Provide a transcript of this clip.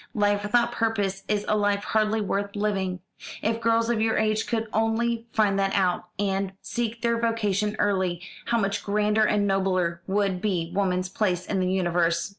Life without purpose is a life hardly worth living. If girls of your age could only find that out, and seek their vocation early, how much grander and nobler would be woman's place in the universe.